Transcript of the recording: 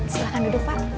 silakan duduk pak